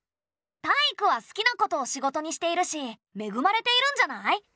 タイイクは好きなことを仕事にしているしめぐまれているんじゃない？